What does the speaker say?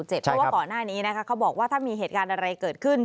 เพราะว่าก่อนหน้านี้นะคะเขาบอกว่าถ้ามีเหตุการณ์อะไรเกิดขึ้น